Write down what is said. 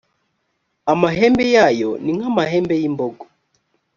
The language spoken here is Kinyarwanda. amahembe yayo ni nk’amahembe y’imbogo: